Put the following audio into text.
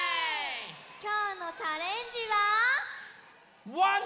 きょうのチャレンジは。